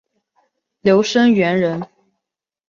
刘声元人。